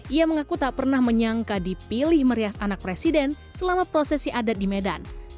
ia mengaku tak pernah menyangka dipilih merias anak presiden selama prosesi adat di medan